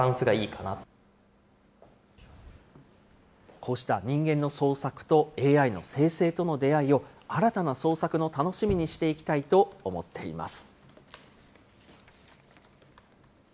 こうした人間の創作とＡＩの生成との出会いを、新たな創作の楽しみにしていきたいと思っています。